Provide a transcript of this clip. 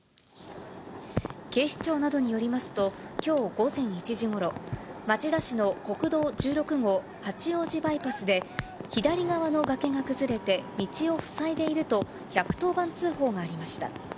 警視庁などによりますと、きょう午前１時ごろ、町田市の国道１６号八王子バイパスで、左側の崖が崩れて、道を塞いでいると、１１０番通報がありました。